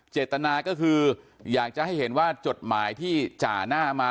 เจตนาก็คืออยากจะให้เห็นว่าจดหมายที่จ่าหน้ามา